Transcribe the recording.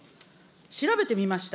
調べてみました。